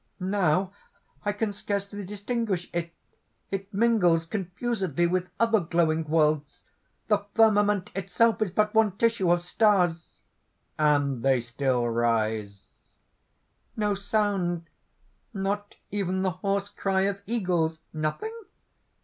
"Now I can scarcely distinguish it. It mingles confusedly with other glowing worlds. The firmament itself is but one tissue of stars." (And they still rise.) "No sound! not even the hoarse cry of eagles! Nothing?